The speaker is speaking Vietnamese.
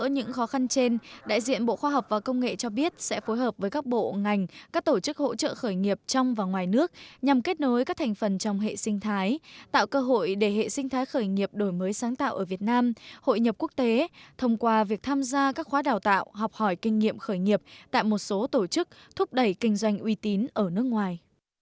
những khó khăn trên đại diện bộ khoa học và công nghệ cho biết sẽ phối hợp với các bộ ngành các tổ chức hỗ trợ khởi nghiệp trong và ngoài nước nhằm kết nối các thành phần trong hệ sinh thái tạo cơ hội để hệ sinh thái khởi nghiệp đổi mới sáng tạo ở việt nam hội nhập quốc tế thông qua việc tham gia các khóa đào tạo học hỏi kinh nghiệm khởi nghiệp tại một số tổ chức thúc đẩy kinh doanh uy tín ở nước ngoài